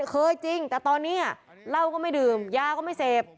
จริงแต่ตอนนี้เหล้าก็ไม่ดื่มยาก็ไม่เสพ